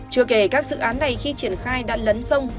chưa kể các dự án này khi triển khai đã lấn sông